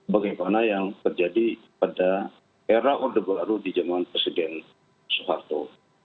bagaimana yang terjadi pada era orde baru di zaman presiden soeharto